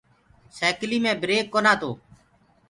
سيڪلي مي بِرڪ ڪونآ تو۔